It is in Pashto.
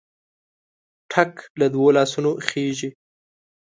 ټک له دوو لاسونو خېژي.